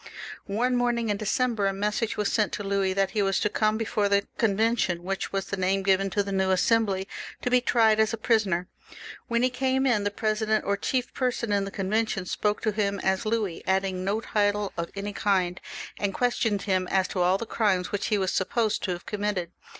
One morning in December a message was sent to Louis that he was to come before the Convention, which was the name given to the new Assembly, to be tried as a prisoner. When he came in, the president, or chief person in the Convention, spoke to him as Louis, adding no title of any kind, and quloned him as to aU the crimes which he w^ supposed to have committed.